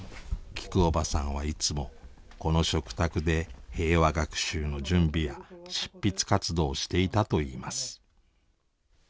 きくおばさんはいつもこの食卓で平和学習の準備や執筆活動をしていたといいます。